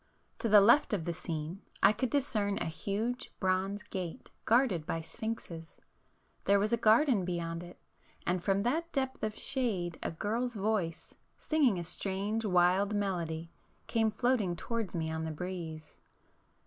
To the left of the scene I could discern a huge bronze gate guarded by sphinxes; there was a garden beyond it, and from that depth of shade a girl's voice, singing a strange wild melody, came floating towards me on the breeze.